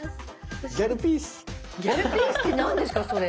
ギャルピースって何ですかそれ？